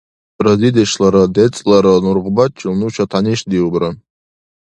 Разидешлара децӀлара нургъбачил нуша тянишдиубра.